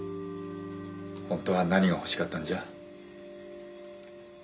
本当は何が欲しかったんじゃ？